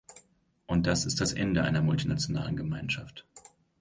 Und das ist das Ende einer multinationalen Gemeinschaft.